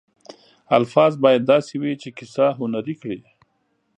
الفاظ باید داسې وي چې کیسه هنري کړي.